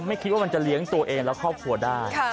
ไม่คิดว่ามันจะเลี้ยงตัวเองและครอบครัวได้